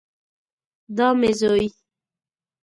دا مې زوی